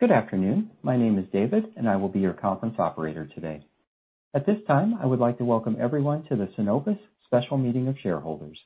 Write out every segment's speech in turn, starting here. Good afternoon. My name is David, and I will be your conference operator today. At this time, I would like to welcome everyone to the Cenovus Special Meeting of Shareholders.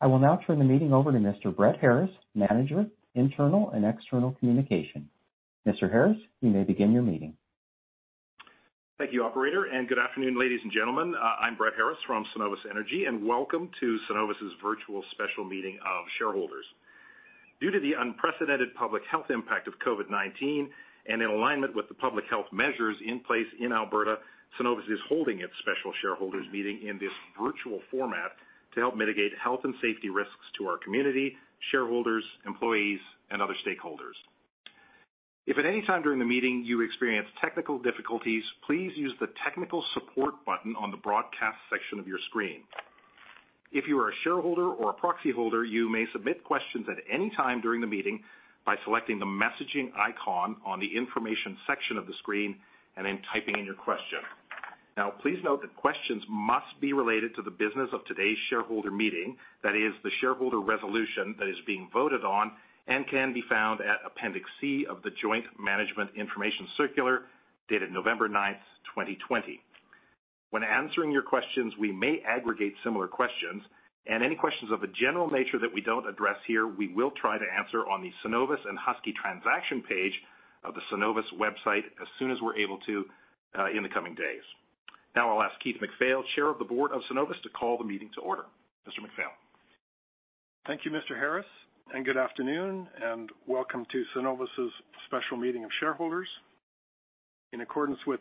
I will now turn the meeting over to Mr. Brett Harris, Manager, Internal and External Communication. Mr. Harris, you may begin your meeting. Thank you, Operator, and good afternoon, ladies and gentlemen. I'm Brett Harris from Cenovus Energy, and welcome to Cenovus' virtual special meeting of shareholders. Due to the unprecedented public health impact of COVID-19 and in alignment with the public health measures in place in Alberta, Cenovus is holding its special shareholders' meeting in this virtual format to help mitigate health and safety risks to our community, shareholders, employees, and other stakeholders. If at any time during the meeting you experience technical difficulties, please use the technical support button on the broadcast section of your screen. If you are a shareholder or a proxy holder, you may submit questions at any time during the meeting by selecting the messaging icon on the information section of the screen and then typing in your question. Now, please note that questions must be related to the business of today's shareholder meeting. That is, the shareholder resolution that is being voted on and can be found at Appendix C of the Joint Management Information Circular dated November 9, 2020. When answering your questions, we may aggregate similar questions, and any questions of a general nature that we do not address here, we will try to answer on the Cenovus and Husky transaction page of the Cenovus website as soon as we are able to in the coming days. Now, I will ask Keith MacPhail, Chair of the Board of Cenovus, to call the meeting to order. Mr. MacPhail. Thank you, Mr. Harris, and good afternoon, and welcome to Cenovus' special meeting of shareholders. In accordance with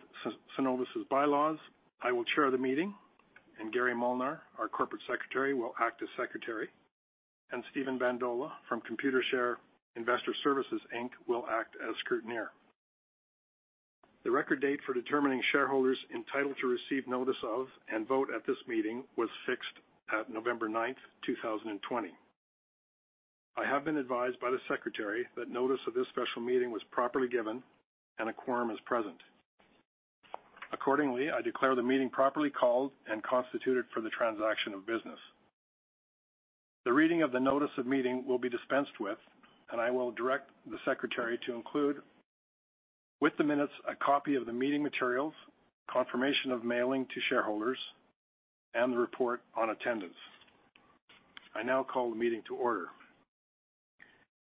Cenovus' bylaws, I will chair the meeting, and Gary Molnar, our Corporate Secretary, will act as Secretary, and Stephen Bandola from Computershare Investor Services will act as Scrutineer. The record date for determining shareholders entitled to receive notice of and vote at this meeting was fixed at November 9, 2020. I have been advised by the Secretary that notice of this special meeting was properly given, and a quorum is present. Accordingly, I declare the meeting properly called and constituted for the transaction of business. The reading of the notice of meeting will be dispensed with, and I will direct the Secretary to include with the minutes a copy of the meeting materials, confirmation of mailing to shareholders, and the report on attendance. I now call the meeting to order.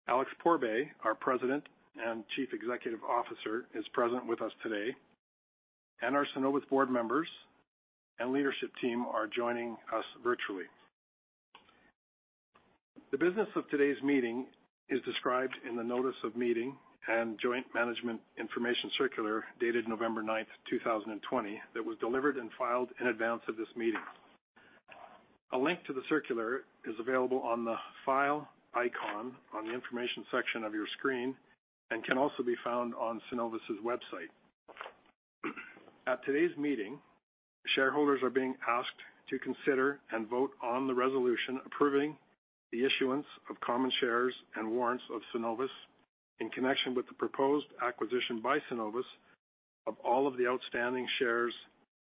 Alex Pourbaix, our President and Chief Executive Officer, is present with us today, and our Cenovus board members and leadership team are joining us virtually. The business of today's meeting is described in the notice of meeting and Joint Management Information Circular dated November 9, 2020, that was delivered and filed in advance of this meeting. A link to the circular is available on the file icon on the information section of your screen and can also be found on Cenovus' website. At today's meeting, shareholders are being asked to consider and vote on the resolution approving the issuance of common shares and warrants of Cenovus in connection with the proposed acquisition by Cenovus of all of the outstanding shares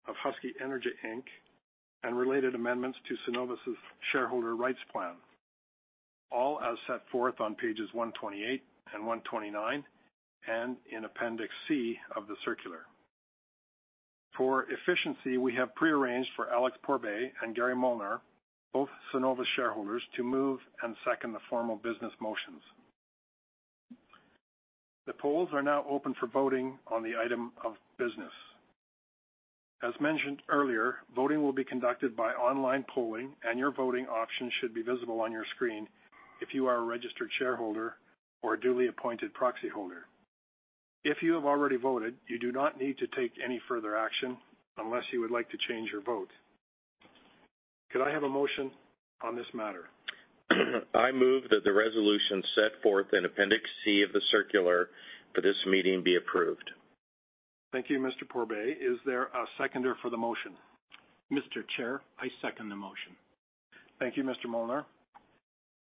of Husky Energy Inc, and related amendments to Cenovus' shareholder rights plan, all as set forth on pages 128 and 129 and in Appendix C of the circular. For efficiency, we have prearranged for Alex Pourbaix and Gary Molnar, both Cenovus shareholders, to move and second the formal business motions. The polls are now open for voting on the item of business. As mentioned earlier, voting will be conducted by online polling, and your voting options should be visible on your screen if you are a registered shareholder or a duly appointed proxy holder. If you have already voted, you do not need to take any further action unless you would like to change your vote. Could I have a motion on this matter? I move that the resolution set forth in Appendix C of the circular for this meeting be approved. Thank you, Mr. Pourbaix. Is there a seconder for the motion? Mr. Chair, I second the motion. Thank you, Mr. Molnar.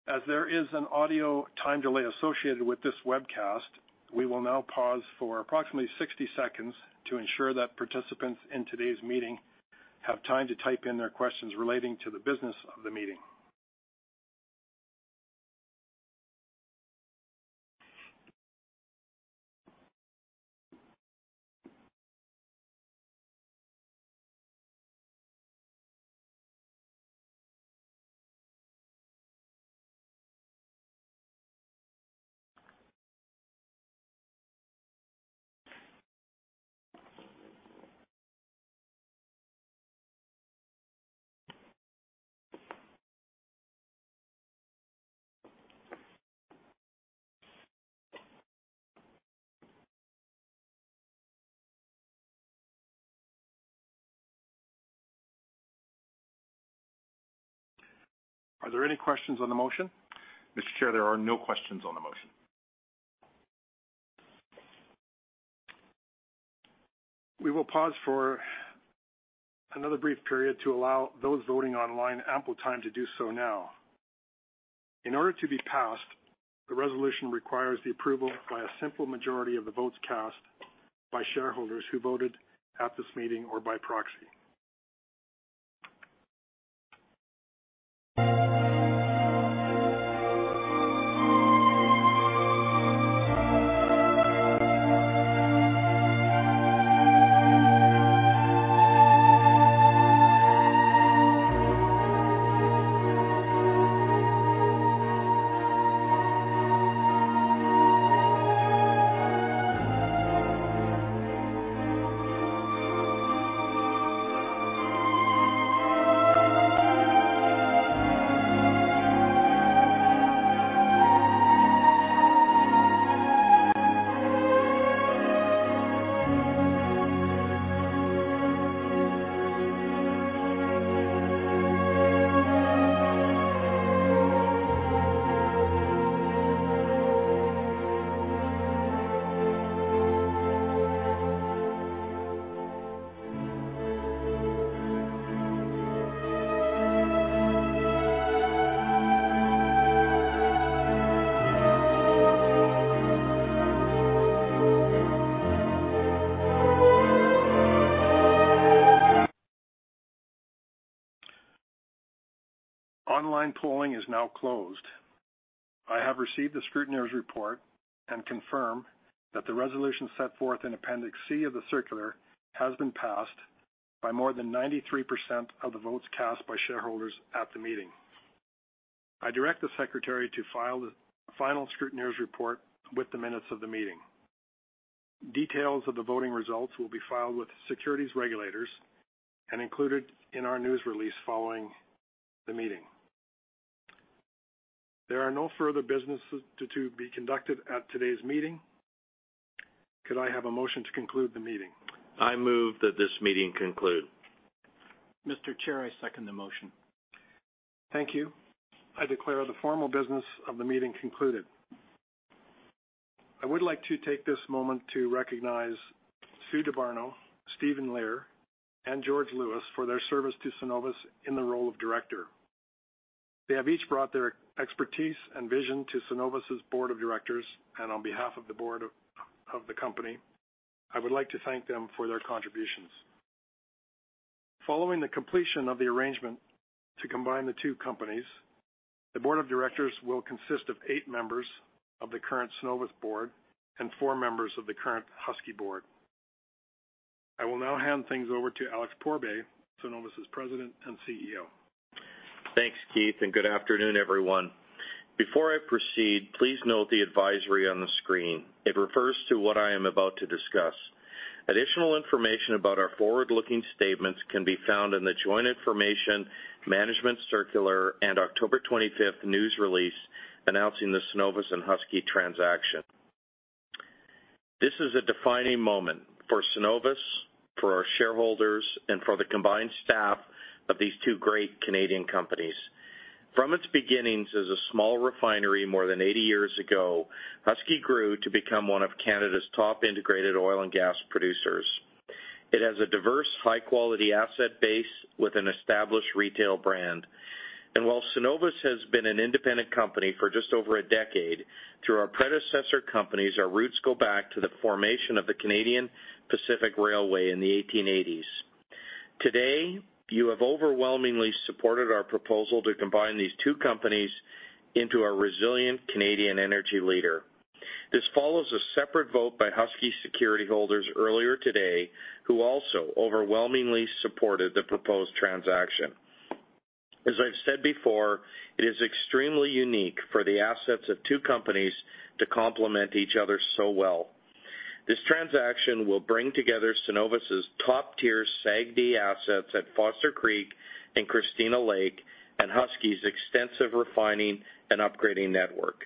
As there is an audio time delay associated with this webcast, we will now pause for approximately 60 seconds to ensure that participants in today's meeting have time to type in their questions relating to the business of the meeting. Are there any questions on the motion? Mr. Chair, there are no questions on the motion. We will pause for another brief period to allow those voting online ample time to do so now. In order to be passed, the resolution requires the approval by a simple majority of the votes cast by shareholders who voted at this meeting or by proxy. Online polling is now closed. I have received the scrutineer's report and confirm that the resolution set forth in Appendix C of the circular has been passed by more than 93% of the votes cast by shareholders at the meeting. I direct the Secretary to file the final scrutineer's report with the minutes of the meeting. Details of the voting results will be filed with securities regulators and included in our news release following the meeting. There are no further businesses to be conducted at today's meeting. Could I have a motion to conclude the meeting? I move that this meeting conclude. Mr. Chair, I second the motion. Thank you. I declare the formal business of the meeting concluded. I would like to take this moment to recognize Su Dabarno, Steven Leer, and George Lewis for their service to Cenovus in the role of Director. They have each brought their expertise and vision to Cenovus' Board of Directors and on behalf of the Board of the company, I would like to thank them for their contributions. Following the completion of the arrangement to combine the two companies, the Board of Directors will consist of eight members of the current Cenovus Board and four members of the current Husky Board. I will now hand things over to Alex Pourbaix, Cenovus' President and CEO. Thanks, Keith, and good afternoon, everyone. Before I proceed, please note the advisory on the screen. It refers to what I am about to discuss. Additional information about our forward-looking statements can be found in the Joint Information Management Circular and October 25th news release announcing the Cenovus and Husky transaction. This is a defining moment for Cenovus, for our shareholders, and for the combined staff of these two great Canadian companies. From its beginnings as a small refinery more than 80 years ago, Husky grew to become one of Canada's top integrated oil and gas producers. It has a diverse, high-quality asset base with an established retail brand. While Cenovus has been an independent company for just over a decade, through our predecessor companies, our roots go back to the formation of the Canadian Pacific Railway in the 1880s. Today, you have overwhelmingly supported our proposal to combine these two companies into a resilient Canadian energy leader. This follows a separate vote by Husky security holders earlier today who also overwhelmingly supported the proposed transaction. As I've said before, it is extremely unique for the assets of two companies to complement each other so well. This transaction will bring together Cenovus' top-tier SAGD assets at Foster Creek and Christina Lake and Husky's extensive refining and upgrading network.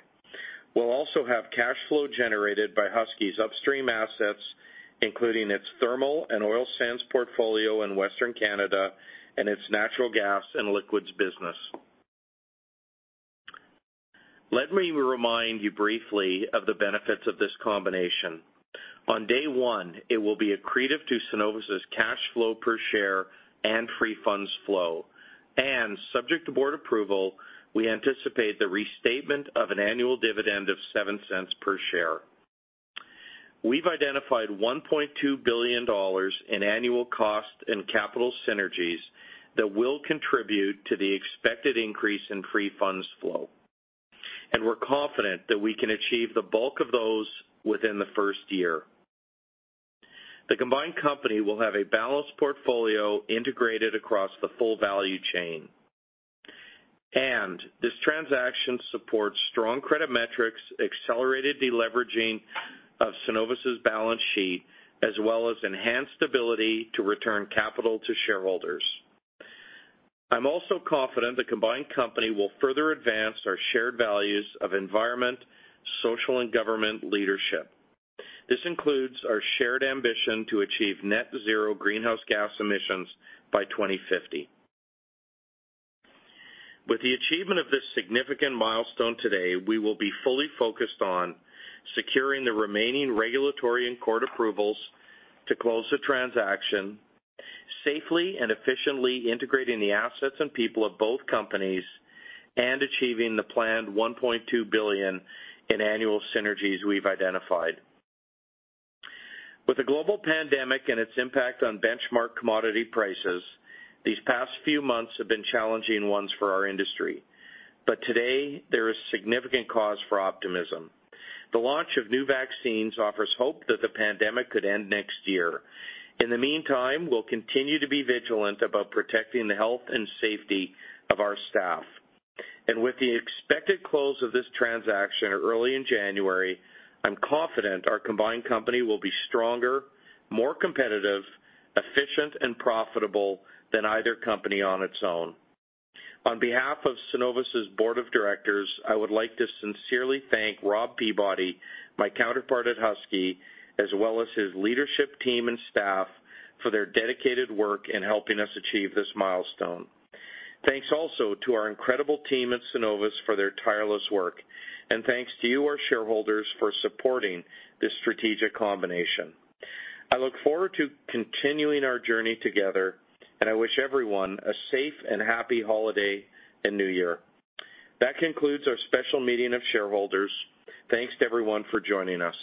We'll also have cash flow generated by Husky's upstream assets, including its thermal and oil sands portfolio in Western Canada and its natural gas and liquids business. Let me remind you briefly of the benefits of this combination. On day one, it will be accretive to Cenovus' cash flow per share and free funds flow. Subject to board approval, we anticipate the restatement of an annual dividend of $0.07 per share. We have identified $1.2 billion in annual cost and capital synergies that will contribute to the expected increase in free funds flow. We are confident that we can achieve the bulk of those within the first year. The combined company will have a balanced portfolio integrated across the full value chain. This transaction supports strong credit metrics, accelerated deleveraging of Cenovus' balance sheet, as well as enhanced ability to return capital to shareholders. I am also confident the combined company will further advance our shared values of environment, social, and government leadership. This includes our shared ambition to achieve net-zero greenhouse gas emissions by 2050. With the achievement of this significant milestone today, we will be fully focused on securing the remaining regulatory and court approvals to close the transaction, safely and efficiently integrating the assets and people of both companies, and achieving the planned $1.2 billion in annual synergies we've identified. With the global pandemic and its impact on benchmark commodity prices, these past few months have been challenging ones for our industry. Today, there is significant cause for optimism. The launch of new vaccines offers hope that the pandemic could end next year. In the meantime, we'll continue to be vigilant about protecting the health and safety of our staff. With the expected close of this transaction early in January, I'm confident our combined company will be stronger, more competitive, efficient, and profitable than either company on its own. On behalf of Cenovus' Board of Directors, I would like to sincerely thank Rob Peabody, my counterpart at Husky, as well as his leadership team and staff for their dedicated work in helping us achieve this milestone. Thanks also to our incredible team at Cenovus for their tireless work. Thanks to you, our shareholders, for supporting this strategic combination. I look forward to continuing our journey together, and I wish everyone a safe and happy holiday and New Year. That concludes our special meeting of shareholders. Thanks to everyone for joining us.